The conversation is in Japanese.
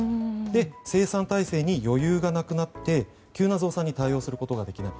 生産体制に余裕がなくなって急な増産に対応することができない。